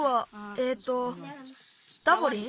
えっとダボリン？